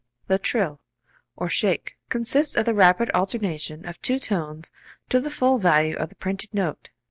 The trill (or shake) consists of the rapid alternation of two tones to the full value of the printed note.